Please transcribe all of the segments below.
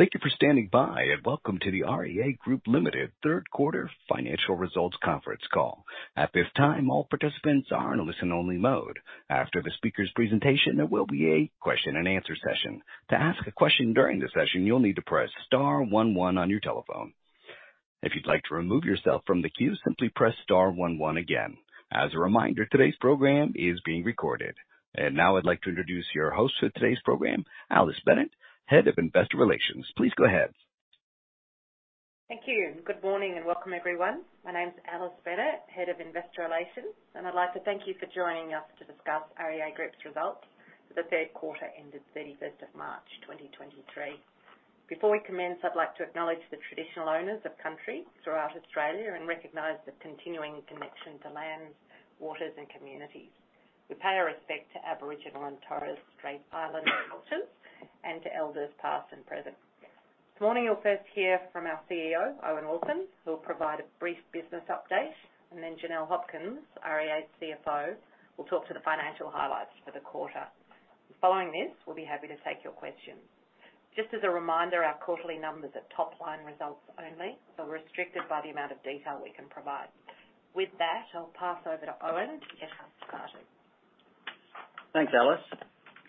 Thank you for standing by, and welcome to the REA Group Ltd third quarter financial results conference call. At this time, all participants are in a listen-only mode. After the speaker's presentation, there will be a question and answer session. To ask a question during the session, you'll need to press star one one on your telephone. If you'd like to remove yourself from the queue, simply press star one one again. As a reminder, today's program is being recorded. Now I'd like to introduce your host for today's program, Alice Bennett, head of investor relations. Please go ahead. Thank you. Good morning and welcome, everyone. My name's Alice Bennett, Head of Investor Relations. I'd like to thank you for joining us to discuss REA Group's results for the third quarter ended 31st of March, 2023. Before we commence, I'd like to acknowledge the traditional owners of country throughout Australia and recognize the continuing connection to lands, waters, and communities. We pay our respect to Aboriginal and Torres Strait Island cultures and to elders past and present. This morning you'll first hear from our CEO Owen Wilson, who'll provide a brief business update. Then Janelle Hopkins, REA's CFO, will talk to the financial highlights for the quarter. Following this, we'll be happy to take your questions. Just as a reminder, our quarterly numbers are top-line results only, so we're restricted by the amount of detail we can provide. With that, I'll pass over to Owen to get us started. Thanks, Alice.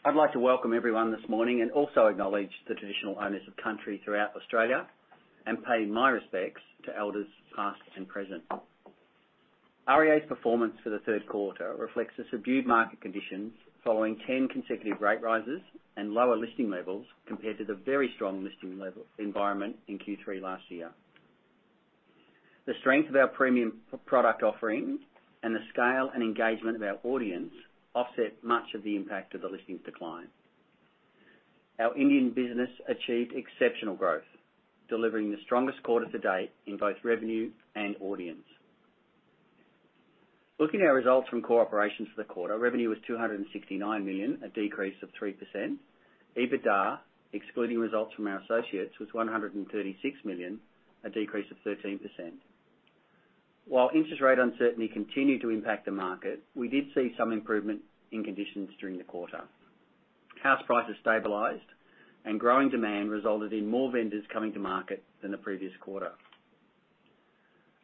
I'd like to welcome everyone this morning and also acknowledge the traditional owners of country throughout Australia and pay my respects to elders past and present. REA's performance for the third quarter reflects the subdued market conditions following 10 consecutive rate rises and lower listing levels compared to the very strong listing level environment in Q3 last year. The strength of our premium product offerings and the scale and engagement of our audience offset much of the impact of the listings decline. Our Indian business achieved exceptional growth, delivering the strongest quarter to date in both revenue and audience. Looking at our results from corporations for the quarter, revenue was 269 million, a decrease of 3%. EBITDA, excluding results from our associates, was 136 million, a decrease of 13%. While interest rate uncertainty continued to impact the market, we did see some improvement in conditions during the quarter. House prices stabilized and growing demand resulted in more vendors coming to market than the previous quarter.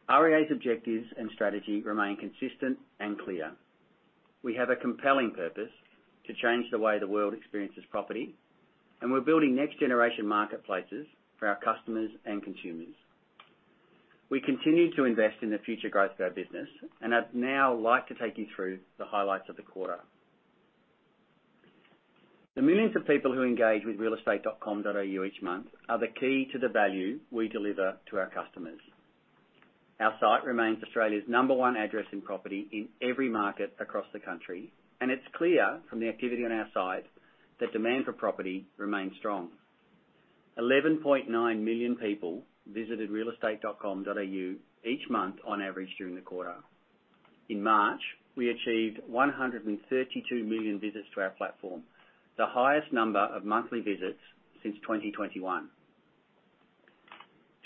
REA's objectives and strategy remain consistent and clear. We have a compelling purpose to change the way the world experiences property. We're building next-generation marketplaces for our customers and consumers. We continue to invest in the future growth of our business. I'd now like to take you through the highlights of the quarter. The millions of people who engage with realestate.com.au each month are the key to the value we deliver to our customers. Our site remains Australia's number one address in property in every market across the country. It's clear from the activity on our site that demand for property remains strong. 11.9 million people visited realestate.com.au each month on average during the quarter. In March, we achieved 132 million visits to our platform, the highest number of monthly visits since 2021.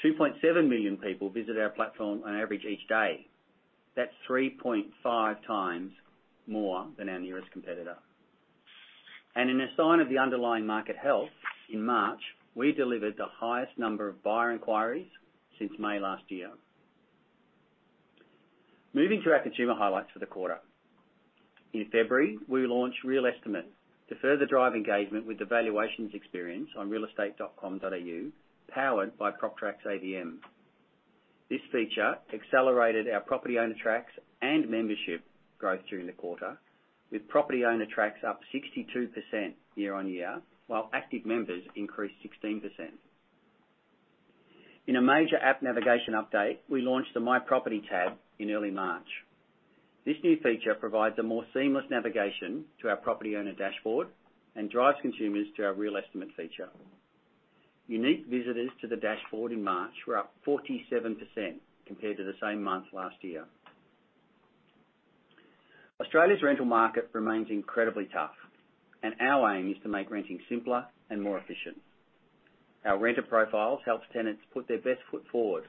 2.7 million people visit our platform on average each day. That's 3.5 times more than our nearest competitor. In a sign of the underlying market health, in March, we delivered the highest number of buyer inquiries since May last year. Moving to our consumer highlights for the quarter. In February, we launched realEstimate to further drive engagement with the valuations experience on realestate.com.au, powered by PropTrack's AVM. This feature accelerated our property owner tracks and membership growth during the quarter, with property owner tracks up 62% year-on-year, while active members increased 16%. In a major app navigation update, we launched the My Property tab in early March. This new feature provides a more seamless navigation to our property owner dashboard and drives consumers to our realEstimate feature. Unique visitors to the dashboard in March were up 47% compared to the same month last year. Australia's rental market remains incredibly tough, and our aim is to make renting simpler and more efficient. Our renter profiles helps tenants put their best foot forward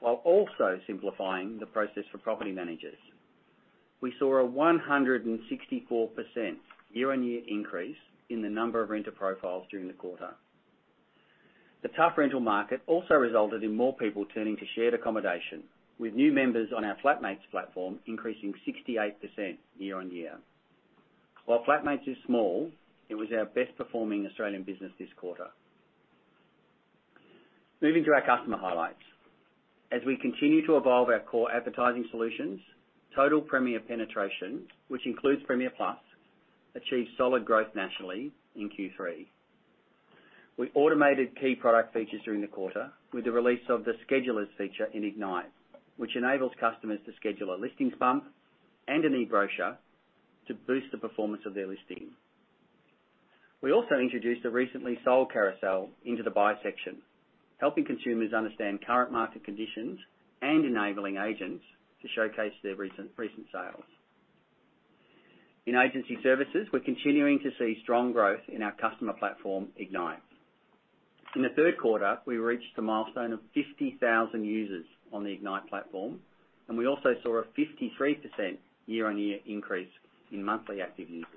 while also simplifying the process for property managers. We saw a 164% year-on-year increase in the number of renter profiles during the quarter. The tough rental market also resulted in more people turning to shared accommodation, with new members on our Flatmates platform increasing 68% year-on-year. While Flatmates is small, it was our best performing Australian business this quarter. Moving to our customer highlights. As we continue to evolve our core advertising solutions, total Premiere penetration, which includes Premiere Plus, achieved solid growth nationally in Q3. We automated key product features during the quarter with the release of the Scheduler feature in Ignite, which enables customers to schedule a Listings Bump and an eBrochure to boost the performance of their listing. We also introduced a Recently Sold carousel into the buy section, helping consumers understand current market conditions and enabling agents to showcase their recent sales. In agency services, we're continuing to see strong growth in our customer platform, Ignite. In the third quarter, we reached a milestone of 50,000 users on the Ignite platform, and we also saw a 53% year-on-year increase in monthly active users.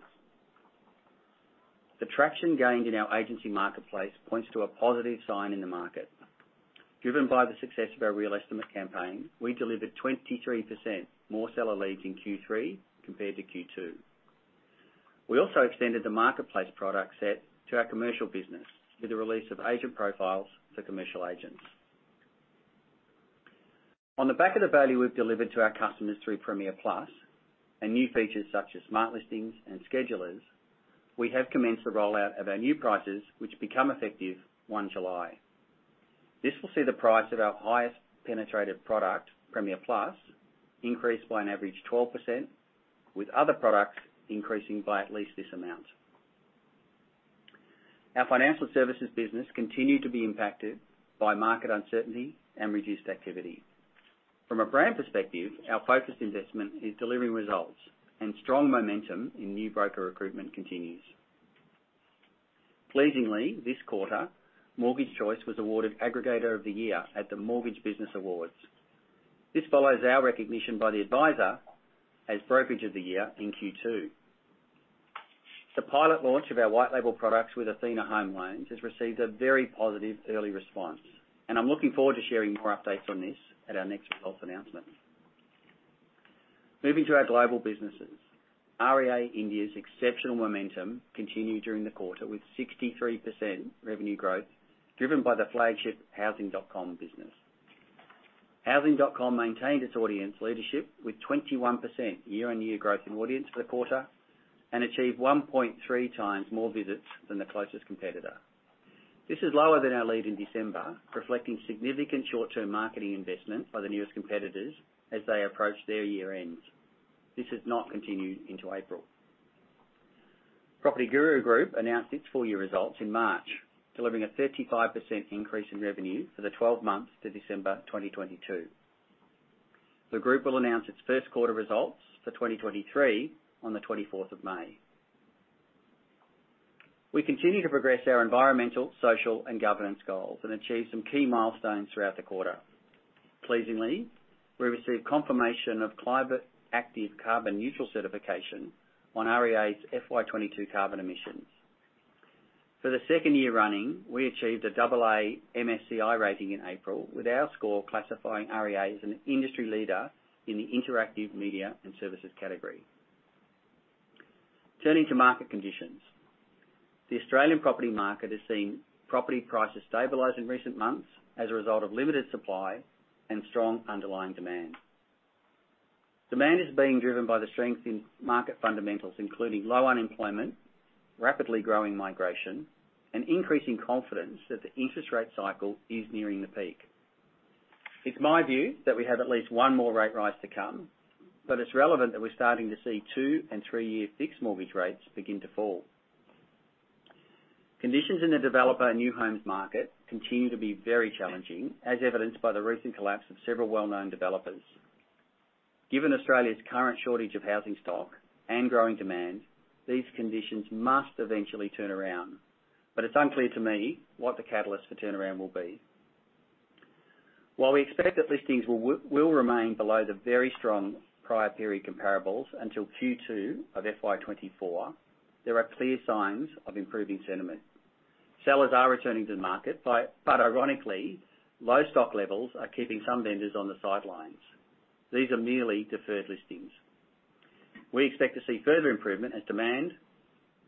The traction gained in our agency marketplace points to a positive sign in the market. Driven by the success of our realEstimate campaign, we delivered 23% more seller leads in Q3 compared to Q2. We also extended the marketplace product set to our commercial business with the release of Agent Profiles for commercial agents. On the back of the value we've delivered to our customers through Premiere Plus and new features such as smart listings and Schedulers, we have commenced the rollout of our new prices, which become effective 1 July. This will see the price of our highest penetrated product, Premiere Plus, increase by an average 12%, with other products increasing by at least this amount. Our financial services business continued to be impacted by market uncertainty and reduced activity. From a brand perspective, our focused investment is delivering results and strong momentum in new broker recruitment continues. Pleasingly, this quarter, Mortgage Choice was awarded Aggregator of the Year at the Mortgage Business Awards. This follows our recognition by The Adviser as Brokerage of the Year in Q2. The pilot launch of our white label products with Athena Home Loans has received a very positive early response, and I'm looking forward to sharing more updates on this at our next results announcement. Moving to our global businesses. REA India's exceptional momentum continued during the quarter with 63% revenue growth, driven by the flagship Housing.com business. Housing.com maintained its audience leadership with 21% year-on-year growth in audience for the quarter, and achieved 1.3 times more visits than the closest competitor. This is lower than our lead in December, reflecting significant short-term marketing investment by the newest competitors as they approach their year-ends. This has not continued into April. PropertyGuru Group announced its full year results in March, delivering a 35% increase in revenue for the 12 months to December 2022. The group will announce its 1st quarter results for 2023 on the 24th of May. We continue to progress our environmental, social, and governance goals and achieve some key milestones throughout the quarter. Pleasingly, we received confirmation of Climate Active carbon neutral certification on REA's FY22 carbon emissions. For the 2nd year running, we achieved a double A MSCI rating in April, with our score classifying REA as an industry leader in the interactive media and services category. Turning to market conditions. The Australian property market has seen property prices stabilize in recent months as a result of limited supply and strong underlying demand. Demand is being driven by the strength in market fundamentals, including low unemployment, rapidly growing migration, and increasing confidence that the interest rate cycle is nearing the peak. It's my view that we have at least one more rate rise to come, but it's relevant that we're starting to see two and three-year fixed mortgage rates begin to fall. Conditions in the developer and new homes market continue to be very challenging, as evidenced by the recent collapse of several well-known developers. Given Australia's current shortage of housing stock and growing demand, these conditions must eventually turn around, but it's unclear to me what the catalyst for turnaround will be. While we expect that listings will remain below the very strong prior period comparables until Q2 of FY 2024, there are clear signs of improving sentiment. Sellers are returning to the market but ironically, low stock levels are keeping some vendors on the sidelines. These are merely deferred listings. We expect to see further improvement as demand,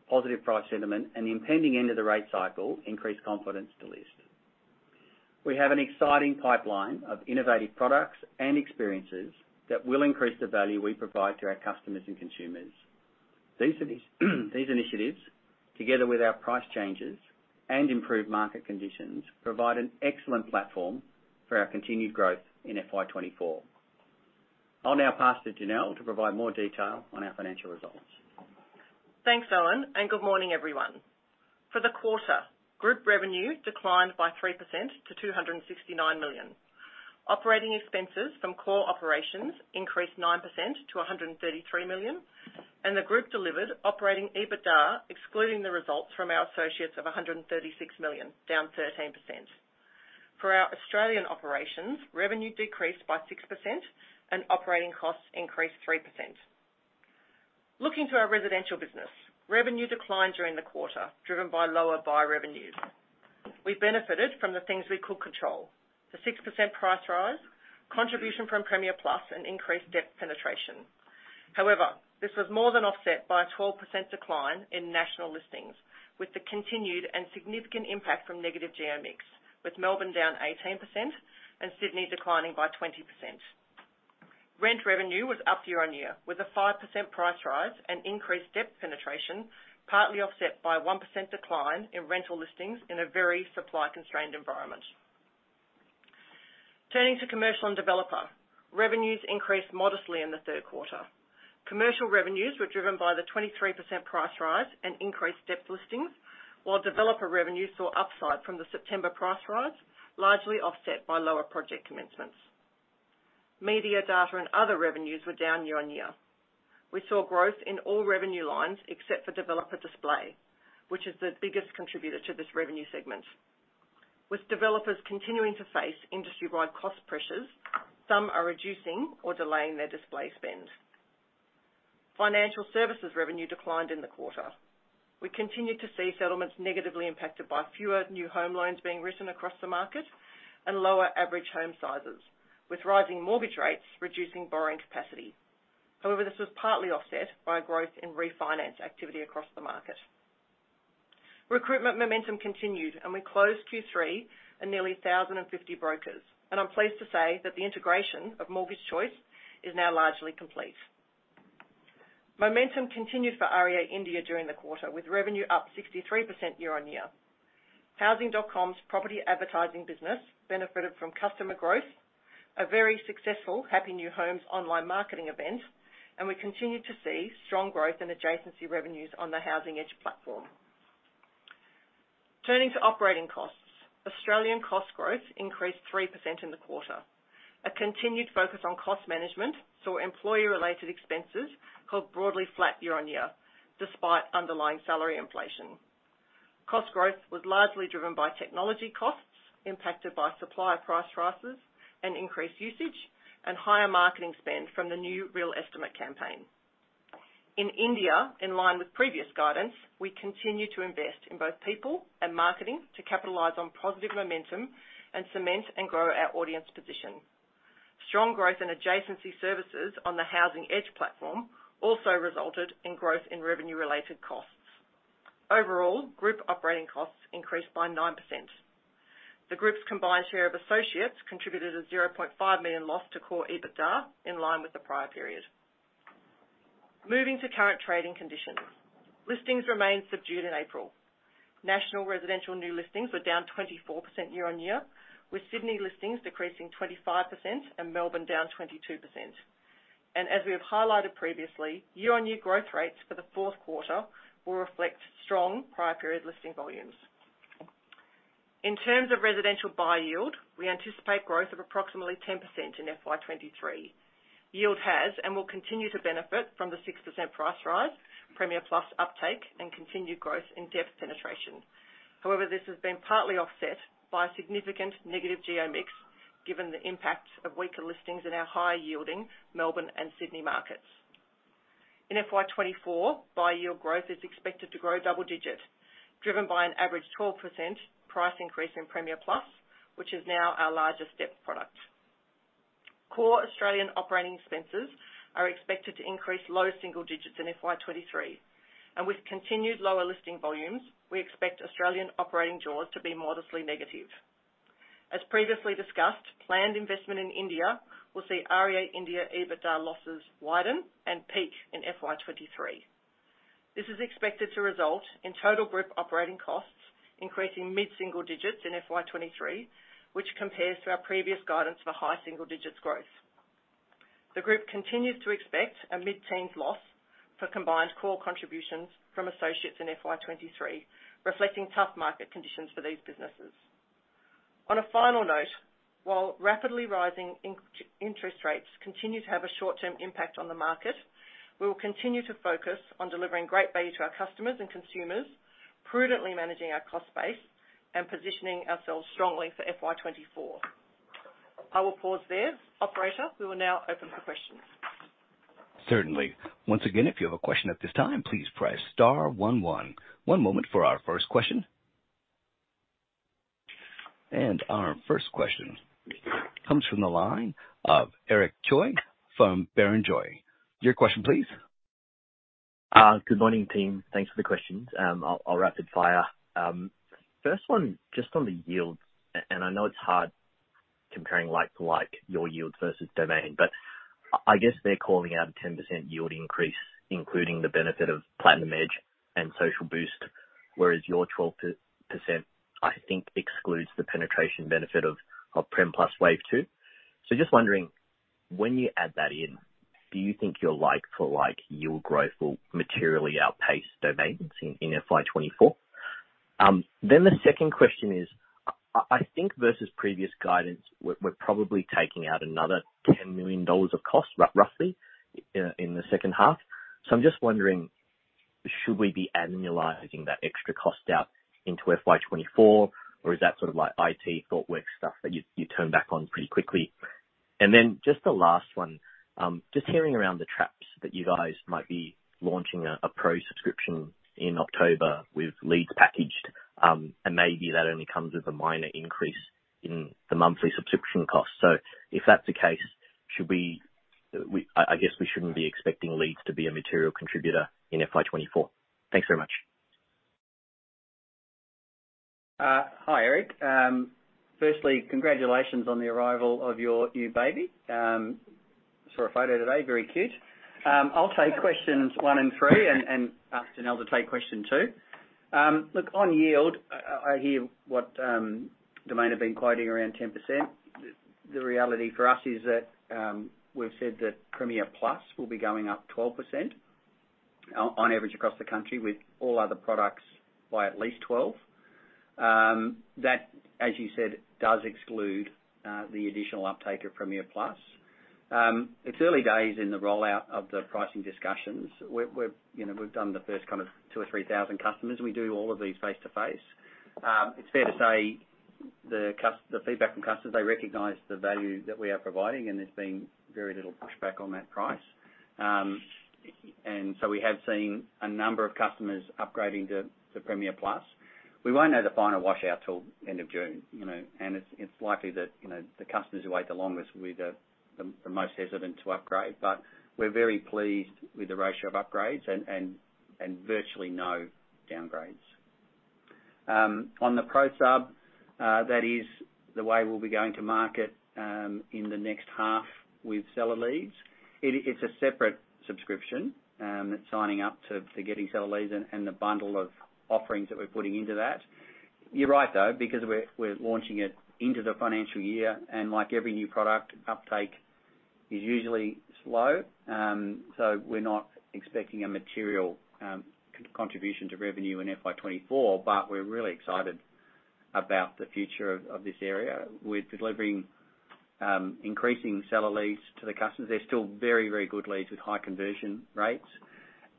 positive price sentiment, and the impending end of the rate cycle increase confidence to list. We have an exciting pipeline of innovative products and experiences that will increase the value we provide to our customers and consumers. These initiatives, together with our price changes and improved market conditions, provide an excellent platform for our continued growth in FY 2024. I'll now pass to Janelle to provide more detail on our financial results. Thanks, Owen. Good morning, everyone. For the quarter, group revenue declined by 3% to 269 million. Operating expenses from core operations increased 9% to 133 million. The group delivered operating EBITDA, excluding the results from our associates of 136 million, down 13%. For our Australian operations, revenue decreased by 6%. Operating costs increased 3%. Looking to our residential business, revenue declined during the quarter, driven by lower buyer revenues. We benefited from the things we could control: the 6% price rise, contribution from Premiere Plus, and increased depth penetration. This was more than offset by a 12% decline in national listings with the continued and significant impact from negative geo mix, with Melbourne down 18% and Sydney declining by 20%. Rent revenue was up year-on-year with a 5% price rise and increased depth penetration, partly offset by a 1% decline in rental listings in a very supply-constrained environment. Turning to commercial and developer. Revenues increased modestly in the third quarter. Commercial revenues were driven by the 23% price rise and increased depth listings, while developer revenues saw upside from the September price rise, largely offset by lower project commencements. Media data and other revenues were down year-on-year. We saw growth in all revenue lines except for developer display, which is the biggest contributor to this revenue segment. With developers continuing to face industry-wide cost pressures, some are reducing or delaying their display spend. Financial services revenue declined in the quarter. We continued to see settlements negatively impacted by fewer new home loans being written across the market and lower average home sizes, with rising mortgage rates reducing borrowing capacity. However, this was partly offset by a growth in refinance activity across the market. Recruitment momentum continued, and we closed Q3 at nearly 1,050 brokers. I'm pleased to say that the integration of Mortgage Choice is now largely complete. Momentum continued for REA India during the quarter, with revenue up 63% year-on-year. Housing.com's property advertising business benefited from customer growth, a very successful Happy New Homes online marketing event, and we continued to see strong growth in adjacency revenues on the Housing Edge platform. Turning to operating costs. Australian cost growth increased 3% in the quarter. A continued focus on cost management saw employee-related expenses held broadly flat year-on-year, despite underlying salary inflation. Cost growth was largely driven by technology costs impacted by supply price rises and increased usage and higher marketing spend from the new realEstimate campaign. In India, in line with previous guidance, we continue to invest in both people and marketing to capitalize on positive momentum and cement and grow our audience position. Strong growth in adjacency services on the Housing Edge platform also resulted in growth in revenue-related costs. Overall, group operating costs increased by 9%. The group's combined share of associates contributed an 0.5 million loss to core EBITDA in line with the prior period. Moving to current trading conditions. Listings remained subdued in April. National residential new listings were down 24% year-on-year, with Sydney listings decreasing 25% and Melbourne down 22%. As we have highlighted previously, year-on-year growth rates for the fourth quarter will reflect strong prior period listing volumes. In terms of residential buy yield, we anticipate growth of approximately 10% in FY 2023. Yield has and will continue to benefit from the 6% price rise, Premiere Plus uptake, and continued growth in depth penetration. However, this has been partly offset by significant negative geo mix, given the impact of weaker listings in our high-yielding Melbourne and Sydney markets. In FY 2024, buy yield growth is expected to grow double digit, driven by an average 12% price increase in Premiere Plus, which is now our largest step product. Core Australian operating expenses are expected to increase low single digits in FY 2023. With continued lower listing volumes, we expect Australian operating jaws to be modestly negative. As previously discussed, planned investment in India will see REA India EBITDA losses widen and peak in FY 2023. This is expected to result in total group operating costs increasing mid-single digits in FY 2023, which compares to our previous guidance for high single digits growth. The group continues to expect a mid-teens loss for combined core contributions from associates in FY 2023, reflecting tough market conditions for these businesses. On a final note, while rapidly rising interest rates continue to have a short-term impact on the market, we will continue to focus on delivering great value to our customers and consumers, prudently managing our cost base and positioning ourselves strongly for FY 2024. I will pause there. Operator, we will now open for questions. Certainly. Once again, if you have a question at this time, please press star one one. One moment for our first question. Our first question comes from the line of Eric Choi from Barrenjoey. Your question please. Good morning, Team. Thanks for the questions. I'll rapid fire. First one, just on the yield, and I know it's hard comparing like to like, your yield versus Domain, but I guess they're calling out a 10% yield increase, including the benefit of Platinum Edge and Social Boost, whereas your 12%, I think, excludes the penetration benefit of Premiere Plus Wave Two. Just wondering, when you add that in, do you think your like for like yield growth will materially outpace Domain in FY 2024? The second question is, I think versus previous guidance, we're probably taking out another 10 million dollars of cost roughly in the second half. I'm just wondering, should we be annualizing that extra cost out into FY 2024? Is that sort of like IT thought work stuff that you turn back on pretty quickly? Just the last one, just hearing around the traps that you guys might be launching a Pro subscription in October with leads packaged, and maybe that only comes with a minor increase in the monthly subscription cost. If that's the case, we shouldn't be expecting leads to be a material contributor in FY24. Thanks very much. Hi, Eric. Firstly, congratulations on the arrival of your new baby. Saw a photo today. Very cute. I'll take questions one and three and ask Janelle to take question two. Look, on yield, I hear what Domain have been quoting around 10%. The reality for us is that we've said that Premiere Plus will be going up 12%. On average across the country with all other products by at least 12. That, as you said, does exclude the additional uptake of Premiere Plus. It's early days in the rollout of the pricing discussions. We're, you know, we've done the first kind of 2,000 or 3,000 customers. We do all of these face-to-face. It's fair to say the feedback from customers, they recognize the value that we are providing, and there's been very little pushback on that price. We have seen a number of customers upgrading to Premiere Plus. We won't know the final wash out till end of June, you know, and it's likely that, you know, the customers who wait the longest will be the most hesitant to upgrade. We're very pleased with the ratio of upgrades and virtually no downgrades. On the Pro subscription, that is the way we'll be going to market in the next half with seller leads. It's a separate subscription, signing up to, for getting seller leads and the bundle of offerings that we're putting into that. You're right, though, because we're launching it into the financial year, and like every new product, uptake is usually slow. So we're not expecting a material contribution to revenue in FY 2024, but we're really excited about the future of this area. We're delivering increasing seller leads to the customers. They're still very good leads with high conversion rates.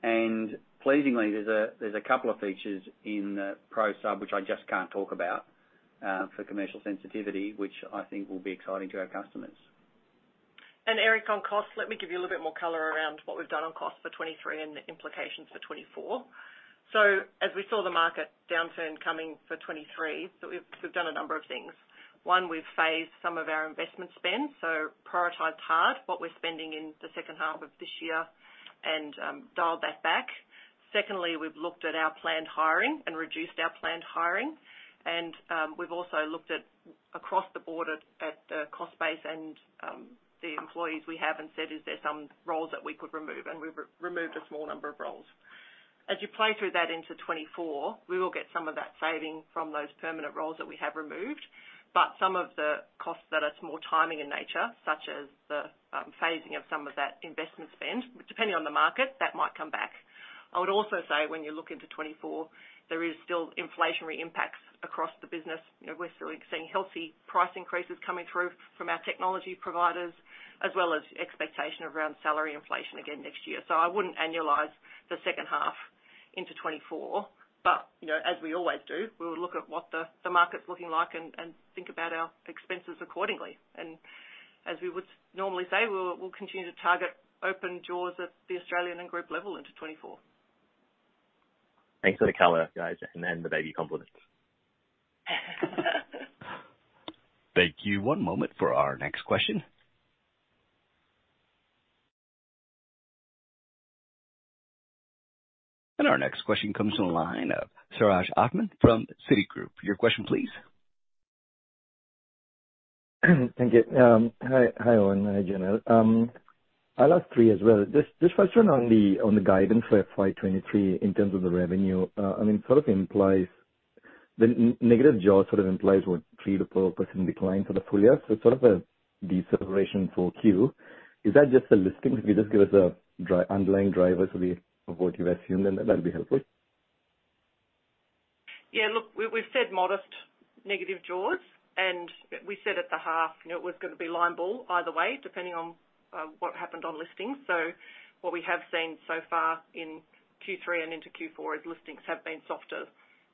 Pleasingly, there's a couple of features in Pro sub, which I just can't talk about, for commercial sensitivity, which I think will be exciting to our customers. Eric, on costs, let me give you a little bit more color around what we've done on costs for 2023 and the implications for 2024. As we saw the market downturn coming for 2023, we've done a number of things. One, we've phased some of our investment spend, so prioritized hard what we're spending in the second half of this year and dialed that back. Secondly, we've looked at our planned hiring and reduced our planned hiring. We've also looked at, across the board at the cost base and the employees we have and said, "Is there some roles that we could remove?" And we re-removed a small number of roles. As you play through that into 2024, we will get some of that saving from those permanent roles that we have removed, but some of the costs that are more timing in nature, such as the phasing of some of that investment spend, depending on the market, that might come back. I would also say when you look into 2024, there is still inflationary impacts across the business. You know, we're still seeing healthy price increases coming through from our technology providers, as well as expectation around salary inflation again next year. I wouldn't annualize the second half into 2024, but, you know, as we always do, we'll look at what the market's looking like and think about our expenses accordingly. As we would normally say, we'll continue to target operating jaws at the Australian and group level into 2024. Thanks for the color, guys, and then the baby compliments. Thank you. One moment for our next question. Our next question comes on the line of Siraj Ahmed from Citigroup. Your question, please. Thank you. Hi, Owen. Hi, Janelle. I lost three as well. Just question on the guidance for FY 2023 in terms of the revenue. I mean, sort of implies the negative jaws sort of implies what, 3-4% decline for the full year? Sort of a deceleration for Q. Is that just the listings? Could you just give us the underlying drivers of what you've assumed, and that'd be helpful. Yeah. Look, we've said modest negative jaws. We said at the half, you know, it was gonna be line ball either way, depending on what happened on listings. What we have seen so far in Q3 and into Q4 is listings have been softer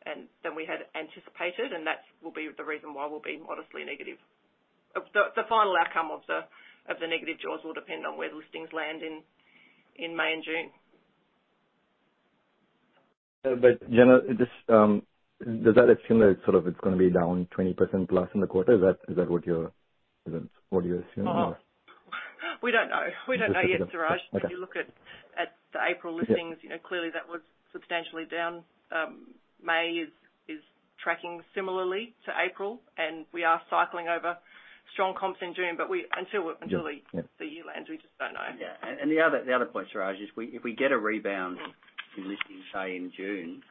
than we had anticipated, and that will be the reason why we'll be modestly negative. Of the final outcome of the negative jaws will depend on where listings land in May and June. Janelle, just, does that assume that it's gonna be down 20% plus in the quarter? Is that what you're assuming or? Oh. We don't know. We don't know yet, Siraj. Okay. You look at the April listings. Yeah. you know, clearly that was substantially down. May is tracking similarly to April, and we are cycling over strong comps in June, but until the- Yeah. the year ends, we just don't know. Yeah. The other point, Siraj, is we, if we get a rebound in listings, say, in June,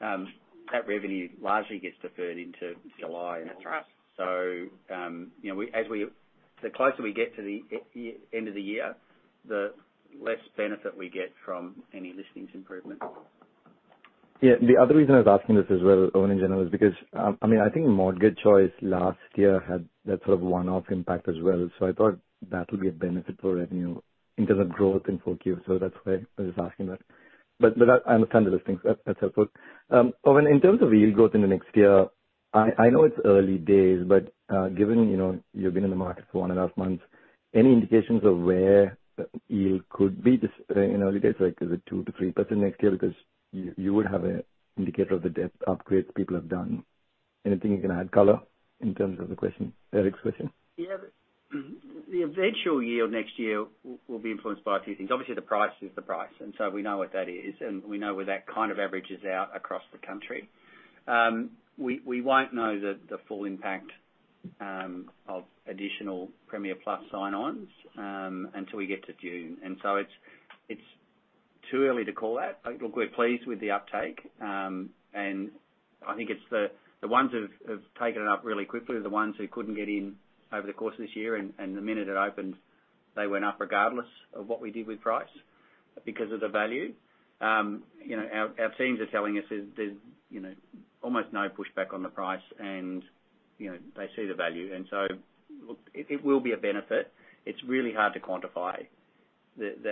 that revenue largely gets deferred into July and August. That's right. you know, we the closer we get to the end of the year, the less benefit we get from any listings improvement. Yeah. The other reason I was asking this as well, Owen and Janelle, is because, I mean, I think Mortgage Choice last year had that sort of one-off impact as well, I thought that will be a benefit for revenue in terms of growth in full Q. That's why I was asking that. I understand the listings. That's helpful. Owen, in terms of yield growth in the next year, I know it's early days, but given, you know, you've been in the market for one and a half months, any indications of where yield could be this, in early days, like is it 2%-3% next year? You would have a indicator of the debt upgrades people have done. Anything you can add color in terms of the question, Eric's question? Yeah. The eventual yield next year will be influenced by a few things. Obviously, the price is the price, and so we know what that is, and we know where that kind of averages out across the country. We won't know the full impact of additional Premiere Plus sign-ons until we get to June. It's too early to call that. Look, we're pleased with the uptake, I think it's the ones who have taken it up really quickly are the ones who couldn't get in over the course of this year, and the minute it opened, they went up regardless of what we did with price because of the value. You know, our teams are telling us there's, you know, almost no pushback on the price and, you know, they see the value. Look, it will be a benefit. It's really hard to quantify the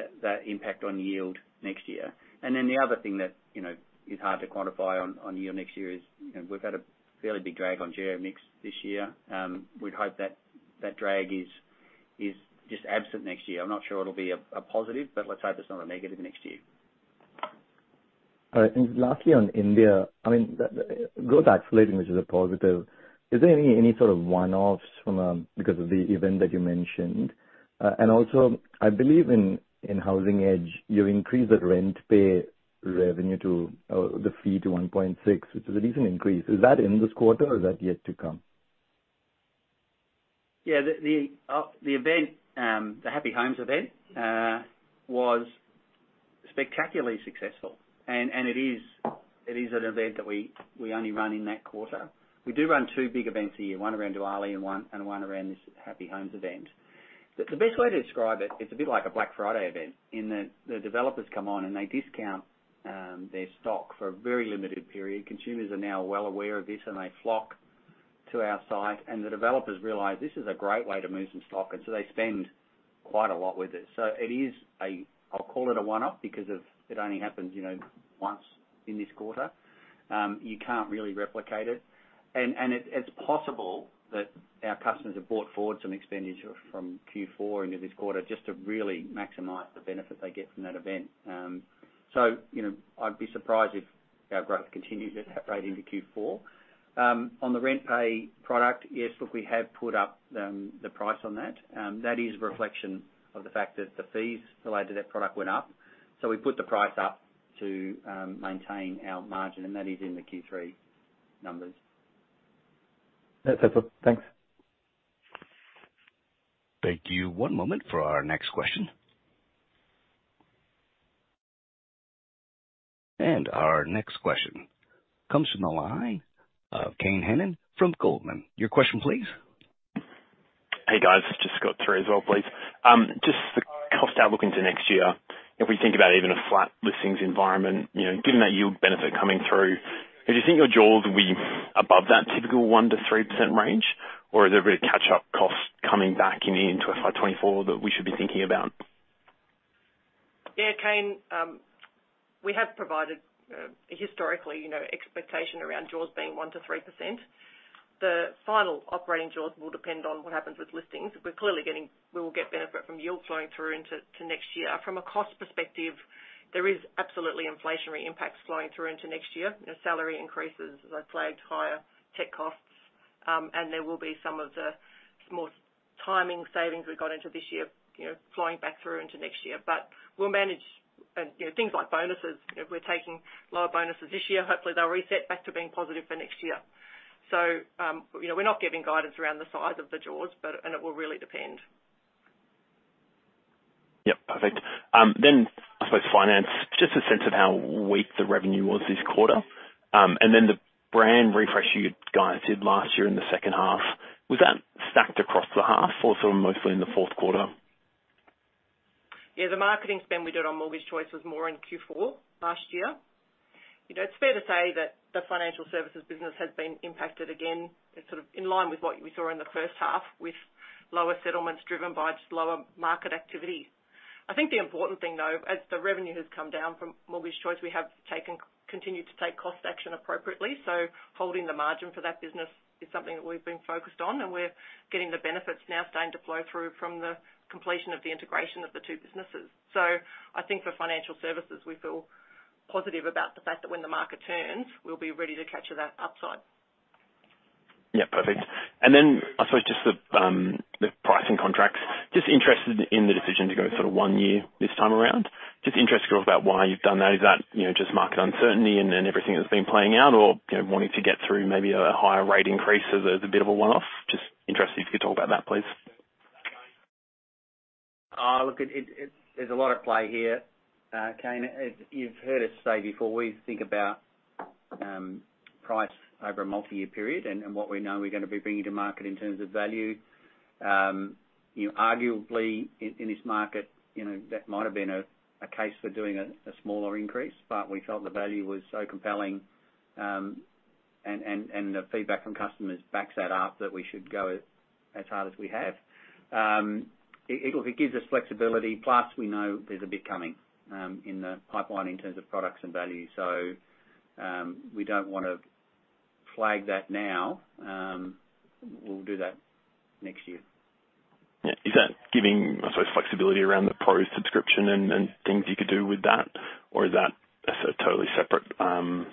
impact on yield next year. The other thing that, you know, is hard to quantify on yield next year is, you know, we've had a fairly big drag on geo mix this year. We'd hope that that drag is just absent next year. I'm not sure it'll be a positive, but let's hope it's not a negative next year. All right. Lastly, on India, I mean, growth accelerating, which is a positive. Is there any sort of one-offs from, because of the event that you mentioned? Also, I believe in Housing Edge, you increased the rent pay revenue to, or the fee to 1.6, which is a decent increase. Is that in this quarter, or is that yet to come? Yeah. The event, the Happy Homes event was spectacularly successful. It is an event that we only run in that quarter. We do run two big events a year, one around Diwali and one around this Happy Homes event. The best way to describe it's a bit like a Black Friday event in that the developers come on, and they discount their stock for a very limited period. Consumers are now well aware of this, and they flock to our site, and the developers realize this is a great way to move some stock, and so they spend quite a lot with it. It is a... I'll call it a one-off because of it only happens, you know, once in this quarter. You can't really replicate it. It's possible that our customers have brought forward some expenditure from Q4 into this quarter just to really maximize the benefit they get from that event. You know, I'd be surprised if our growth continues at that rate into Q4. On the RentPay product, yes, look, we have put up, the price on that. That is a reflection of the fact that the fees related to that product went up. We put the price up to, maintain our margin, and that is in the Q3 numbers. That's it. Thanks. Thank you. One moment for our next question. Our next question comes from the line of Kane Hannan from Goldman. Your question please. Hey, guys. Just got through as well, please. Just the cost outlook into next year. If we think about even a flat listings environment, you know, given that yield benefit coming through, do you think your jaws will be above that typical 1%-3% range, or is there a bit of catch-up cost coming back in, into FY24 that we should be thinking about? Yeah, Kane. We have provided, historically, you know, expectation around jaws being 1%-3%. The final operating jaws will depend on what happens with listings. We will get benefit from yield flowing through into next year. From a cost perspective, there is absolutely inflationary impacts flowing through into next year. You know, salary increases, as I flagged, higher tech costs, and there will be some of the more timing savings we got into this year, you know, flowing back through into next year. We'll manage, you know, things like bonuses. You know, we're taking lower bonuses this year. Hopefully, they'll reset back to being positive for next year. You know, we're not giving guidance around the size of the jaws, but it will really depend. Yep. Perfect. I suppose finance. Just a sense of how weak the revenue was this quarter. The brand refresh you guys did last year in the second half, was that stacked across the half or sort of mostly in the fourth quarter? Yeah. The marketing spend we did on Mortgage Choice was more in Q4 last year. You know, it's fair to say that the financial services business has been impacted again, sort of in line with what we saw in the first half with lower settlements driven by just lower market activity. I think the important thing, though, as the revenue has come down from Mortgage Choice, we have taken, continued to take cost action appropriately. Holding the margin for that business is something that we've been focused on, and we're getting the benefits now starting to flow through from the completion of the integration of the two businesses. I think for financial services, we feel positive about the fact that when the market turns, we'll be ready to capture that upside. Yeah, perfect. Then I suppose just the pricing contracts. Just interested in the decision to go sort of one year this time around. Just interested to know about why you've done that. Is that, you know, just market uncertainty and then everything that's been playing out or, you know, wanting to get through maybe a higher rate increase as a bit of a one-off? Just interested if you could talk about that, please. Look, there's a lot at play here, Kane. As you've heard us say before, we think about price over a multi-year period and what we know we're gonna be bringing to market in terms of value. You know, arguably in this market, you know, that might have been a case for doing a smaller increase. We felt the value was so compelling, and the feedback from customers backs that up, that we should go as hard as we have. It gives us flexibility, plus we know there's a bit coming in the pipeline in terms of products and value. We don't wanna flag that now. We'll do that next year. Yeah. Is that giving, I suppose, flexibility around the Pro subscription and things you could do with that, or is that a sort of totally separate product?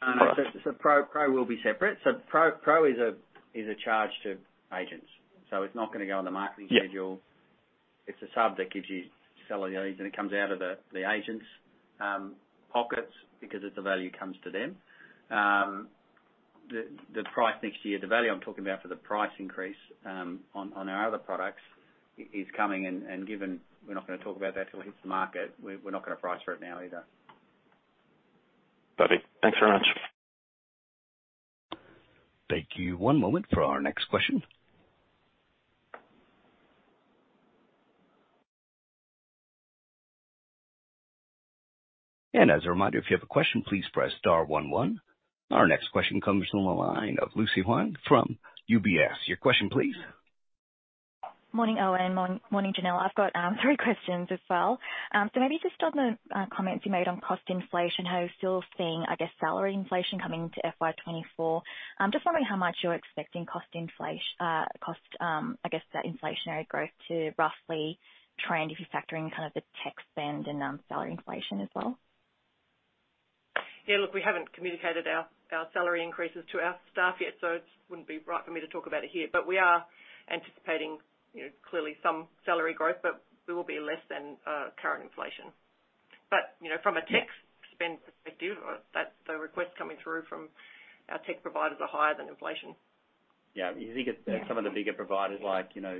No, no. Pro will be separate. Pro is a charge to agents. It's not gonna go on the marketing schedule. Yeah. It's a sub that gives you seller leads, and it comes out of the agents' pockets because of the value comes to them. The price next year, the value I'm talking about for the price increase, on our other products. Is coming. Given we're not gonna talk about that till it hits the market, we're not gonna price for it now either. Got it. Thanks very much. Thank you. One moment for our next question. As a reminder, if you have a question, please press star one one. Our next question comes from the line of Lucy Huang from UBS. Your question please. Morning, Owen. Morning, Janelle. I've got three questions as well. Maybe just on the comments you made on cost inflation, how you're still seeing, I guess, salary inflation coming into FY 2024. Just wondering how much you're expecting cost, I guess that inflationary growth to roughly trend if you're factoring kind of the tech spend and salary inflation as well. Yeah, look, we haven't communicated our salary increases to our staff yet, so it wouldn't be right for me to talk about it here. We are anticipating, you know, clearly some salary growth, but there will be less than current inflation. You know, from a tech spend perspective, the requests coming through from our tech providers are higher than inflation. Yeah, you think some of the bigger providers like, you know,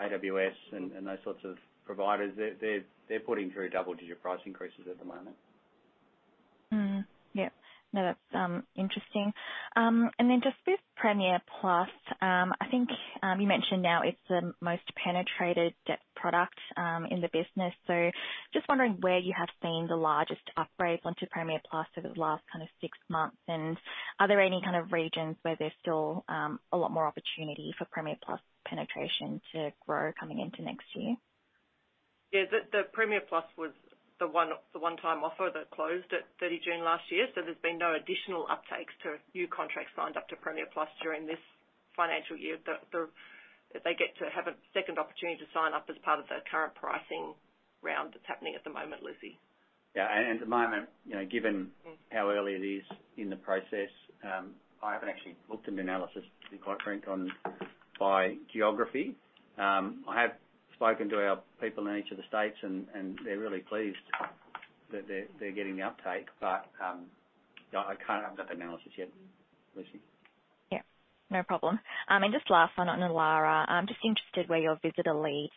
AWS and those sorts of providers, they're putting through double-digit price increases at the moment. Yeah. No, that's interesting. Just with Premiere Plus, you mentioned now it's the most penetrated depth product in the business. Just wondering where you have seen the largest upgrades onto Premiere Plus over the last kind of six months. Are there any kind of regions where there's still a lot more opportunity for Premiere Plus penetration to grow coming into next year? Yeah. The Premiere Plus was the one-time offer that closed at June 30 last year. There's been no additional uptakes to new contracts signed up to Premiere Plus during this financial year. They get to have a second opportunity to sign up as part of the current pricing round that's happening at the moment, Lucy. Yeah. At the moment, you know, given how early it is in the process, I haven't actually looked at the analysis in quite frank on by geography. I have spoken to our people in each of the states and they're really pleased that they're getting the uptake. I've got the analysis yet, Lucy. Yeah, no problem. Just last one on Elara. I'm just interested where your visitor lead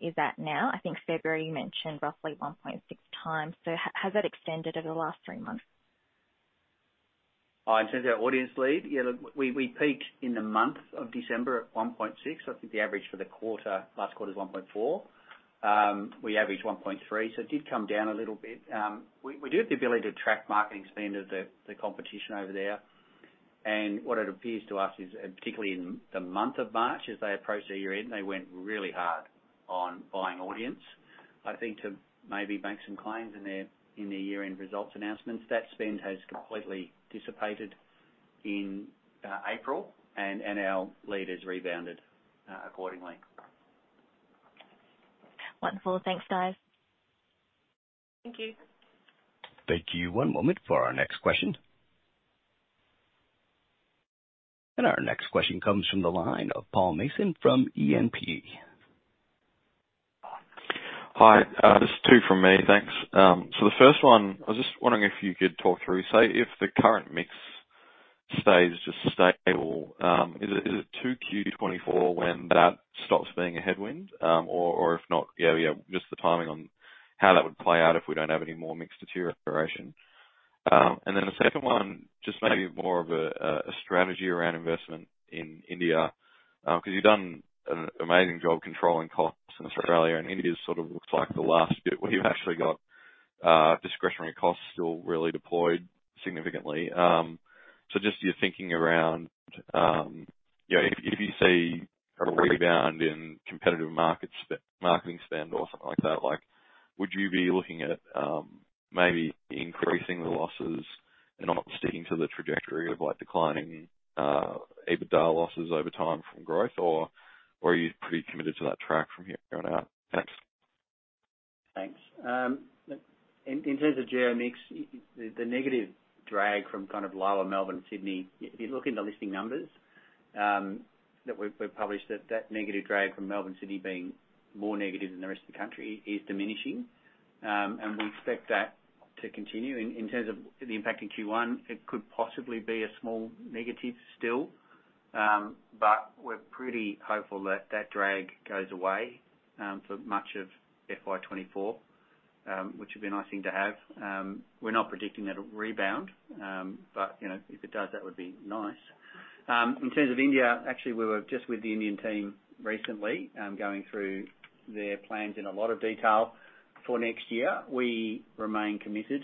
is at now. I think February, you mentioned roughly 1.6 times. Has that extended over the last three months? Oh, in terms of our audience lead? Yeah, look, we peaked in the month of December at 1.6. I think the average for the quarter, last quarter is 1.4. We averaged 1.3, so it did come down a little bit. We do have the ability to track marketing spend of the competition over there. What it appears to us is, and particularly in the month of March, as they approached their year-end, they went really hard on buying audience, I think to maybe make some claims in their year-end results announcements. That spend has completely dissipated in April and our lead has rebounded accordingly. Wonderful. Thanks, guys. Thank you. Thank you. One moment for our next question. Our next question comes from the line of Paul Mason from E&P. Hi. Just two from me. Thanks. The first one, I was just wondering if you could talk through, say, if the current mix stays just stable, is it 2Q 2024 when that stops being a headwind? Or if not, just the timing on how that would play out if we don't have any more mix to tier restoration. The second one, just maybe more of a strategy around investment in India, 'cause you've done an amazing job controlling costs in Australia, and India sort of looks like the last bit where you've actually got discretionary costs still really deployed significantly. Just your thinking around, you know, if you see a rebound in competitive markets marketing spend or something like that, like, would you be looking at maybe increasing the losses and not sticking to the trajectory of, like, declining, EBITDA losses over time from growth? Or are you pretty committed to that track from here going out? Thanks. Thanks. In terms of geo mix, the negative drag from kind of lower Melbourne and Sydney, if you look in the listing numbers, that negative drag from Melbourne Sydney being more negative than the rest of the country is diminishing. We expect that to continue. In terms of the impact in Q1, it could possibly be a small negative still. We're pretty hopeful that that drag goes away for much of FY24, which would be a nice thing to have. We're not predicting that'll rebound, but, you know, if it does, that would be nice. In terms of India, actually, we were just with the Indian team recently, going through their plans in a lot of detail for next year. We remain committed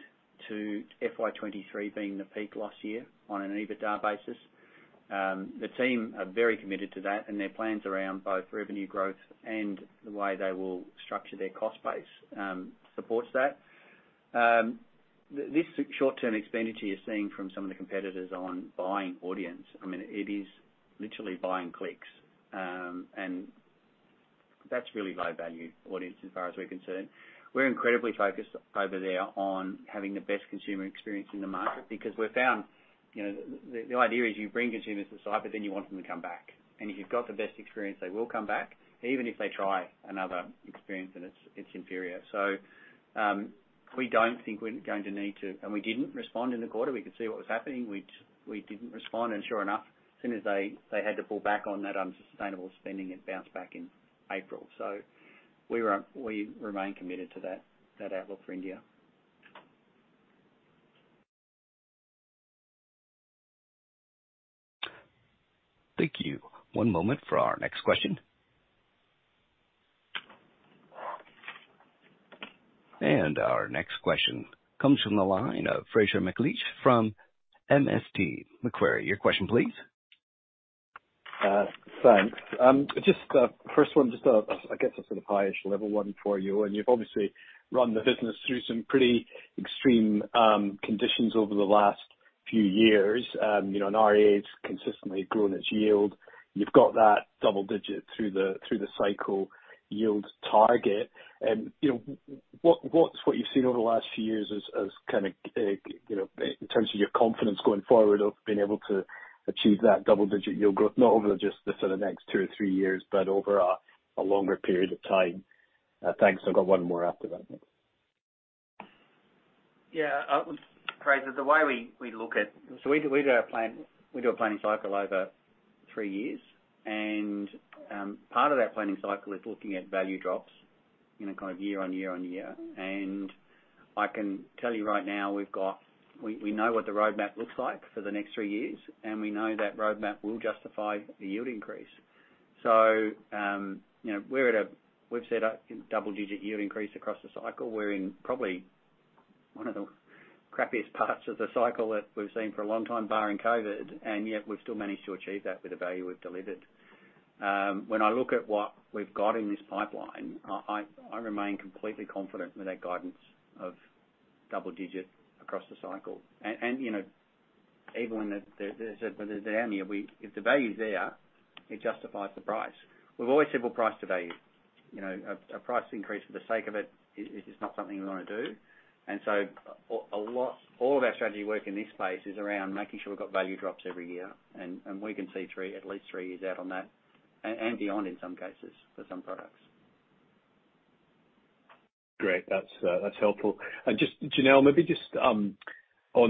to FY23 being the peak last year on an EBITDA basis. The team are very committed to that, and their plans around both revenue growth and the way they will structure their cost base supports that. This short-term expenditure you're seeing from some of the competitors on buying audience, I mean, it is literally buying clicks. That's really low-value audience as far as we're concerned. We're incredibly focused over there on having the best consumer experience in the market because we found, you know, the idea is you bring consumers to the site, but then you want them to come back. If you've got the best experience, they will come back, even if they try another experience and it's inferior. We don't think we're going to need to. We didn't respond in the quarter. We could see what was happening. We didn't respond, and sure enough, as soon as they had to pull back on that unsustainable spending, it bounced back in April. We remain committed to that outlook for India. Thank you. One moment for our next question. Our next question comes from the line of Fraser McLeish from MST Marquee. Your question please. Thanks. Just first one, just I guess a sort of highish level one for you. You've obviously run the business through some pretty extreme conditions over the last few years. You know, REA has consistently grown its yield. You've got that double-digit through the cycle yield target. You know, what's what you've seen over the last few years as kinda, you know, in terms of your confidence going forward of being able to achieve that double-digit yield growth, not over just the sort of next two or three years, but over a longer period of time? Thanks. I've got 1 more after that. Fraser, the way we look at. We do our plan, we do a planning cycle over three years. Part of that planning cycle is looking at value drops, you know, kind of year on year on year. I can tell you right now, we know what the roadmap looks like for the next three years, and we know that roadmap will justify the yield increase. You know, we've set a double-digit yield increase across the cycle. We're in probably one of the crappiest parts of the cycle that we've seen for a long time, barring COVID, and yet we've still managed to achieve that with the value we've delivered. When I look at what we've got in this pipeline, I remain completely confident with that guidance of double digit across the cycle. You know, even when there's a down year, if the value is there, it justifies the price. We've always said we'll price to value. You know, a price increase for the sake of it is not something we want to do. All of our strategy work in this space is around making sure we've got value drops every year. We can see three, at least three years out on that and beyond in some cases for some products. Great. That's helpful. Just Janelle, maybe just on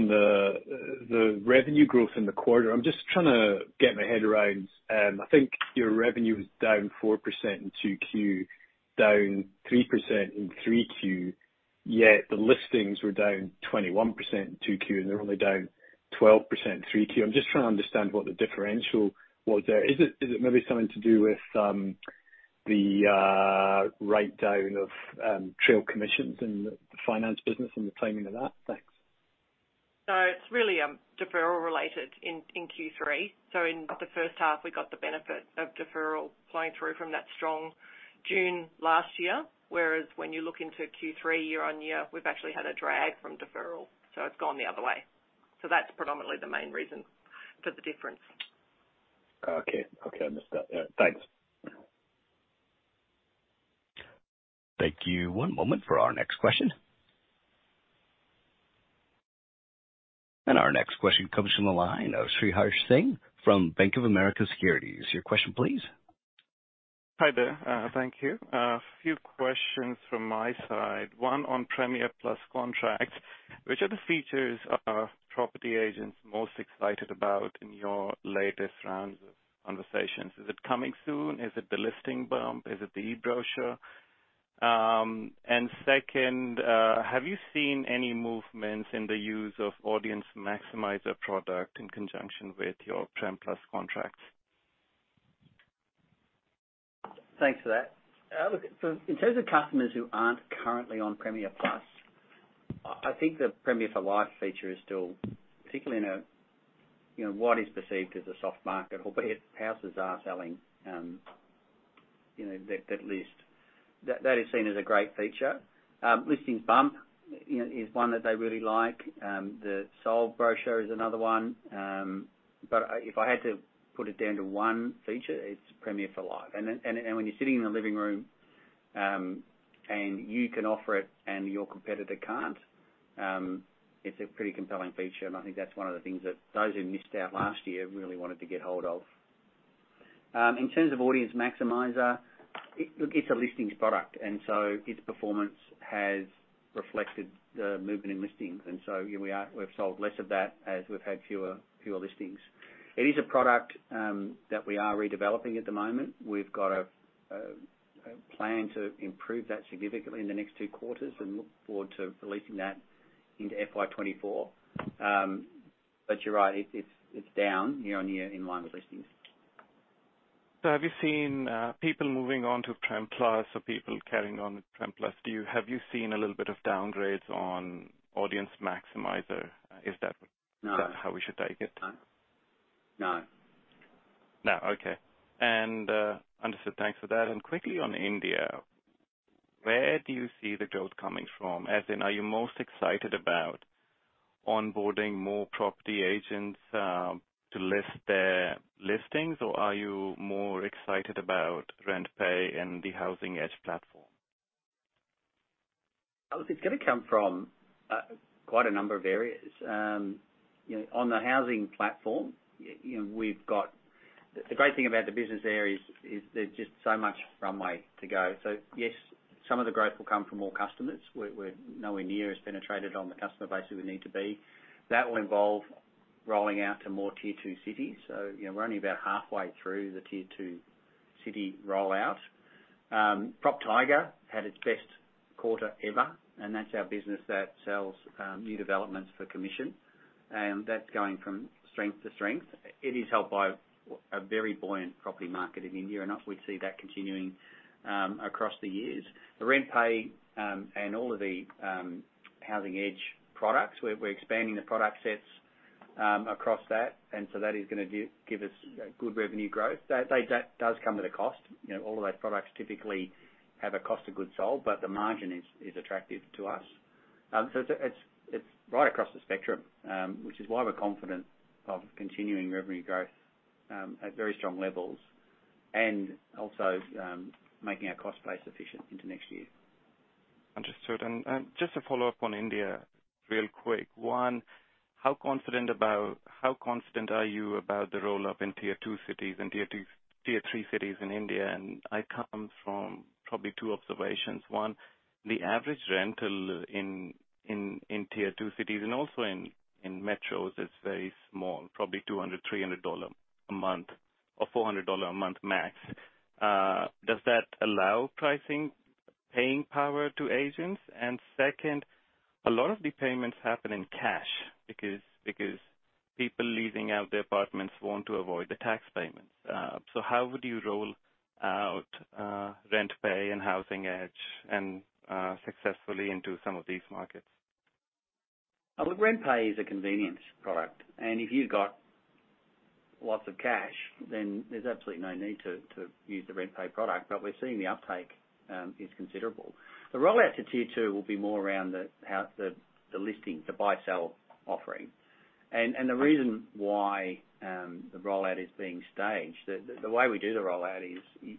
the revenue growth in the quarter, I'm just trying to get my head around, I think your revenue was down 4% in 2Q, down 3% in 3Q, yet the listings were down 21% in 2Q, and they're only down 12% in 3Q. I'm just trying to understand what the differential was there. Is it maybe something to do with the write down of trail commissions in the finance business and the timing of that? Thanks. It's really deferral related in Q3. In the first half we got the benefit of deferral flowing through from that strong June last year, whereas when you look into Q3 year-over-year, we've actually had a drag from deferral, it's gone the other way. That's predominantly the main reason for the difference. Okay. Okay. Understood. Yeah, thanks. Thank you. One moment for our next question. Our next question comes from the line of Sriharsh Singh from Bank of America Securities. Your question please. Hi there. Thank you. A few questions from my side. One on Premiere Plus contracts. Which of the features are property agents most excited about in your latest rounds of conversations? Is it Coming Soon? Is it the Listings Bump? Is it the eBrochure? Second, have you seen any movements in the use of Audience Maximiser product in conjunction with your Prem Plus contracts? Thanks for that. look, in terms of customers who aren't currently on Premiere Plus, I think the Premiere for Life feature is still particularly in a, you know, what is perceived as a soft market, albeit houses are selling, you know, that list. That is seen as a great feature. Listings Bump, you know, is one that they really like. The sold brochure is another one. If I had to put it down to one feature, it's Premiere for Life. When you're sitting in the living room, and you can offer it and your competitor can't, it's a pretty compelling feature, and I think that's one of the things that those who missed out last year really wanted to get hold of. In terms of Audience Maximiser, it's a listings product, and so its performance has reflected the movement in listings. You know, we've sold less of that as we've had fewer listings. It is a product that we are redeveloping at the moment. We've got a plan to improve that significantly in the next two quarters and look forward to releasing that into FY 2024. You're right, it's down year on year in line with listings. Have you seen people moving on to Prem Plus or people carrying on with Prem Plus? Have you seen a little bit of downgrades on Audience Maximiser? No. Is that how we should take it? No. No. Okay. Understood. Thanks for that. Quickly on India, where do you see the growth coming from? As in, are you most excited about onboarding more property agents to list their listings? Or are you more excited about RentPay and the Housing Edge platform? Look, it's gonna come from quite a number of areas. You know, on the housing platform, you know, the great thing about the business there is there's just so much runway to go. Yes, some of the growth will come from more customers. We're nowhere near as penetrated on the customer base as we need to be. That will involve rolling out to more tier two cities. You know, we're only about halfway through the Tier two city rollout. PropTiger.com had its best quarter ever, and that's our business that sells new developments for commission. That's going from strength to strength. It is helped by a very buoyant property market in India, and we see that continuing across the years. The RentPay and all of the Housing Edge products, we're expanding the product sets across that. That is gonna give us good revenue growth. That does come at a cost. You know, all of those products typically have a cost of goods sold, but the margin is attractive to us. It's right across the spectrum, which is why we're confident of continuing revenue growth at very strong levels and also making our cost base efficient into next year. Understood. Just to follow up on India real quick. One, how confident are you about the roll-up in Tier 2 cities and Tier 2, Tier 3 cities in India? I come from probably two observations. One, the average rental in Tier 2 cities and also in metros is very small, probably $200, $300 a month or $400 a month max. Does that allow pricing, paying power to agents? Second, a lot of the payments happen in cash because people leasing out the apartments want to avoid the tax payments. So how would you roll out RentPay and Housing Edge successfully into some of these markets? Look, RentPay is a convenience product, and if you've got lots of cash, then there's absolutely no need to use the RentPay product. We're seeing the uptake is considerable. The rollout to Tier two will be more around the listing, the buy/sell offering. The reason why the rollout is being staged. The way we do the rollout is-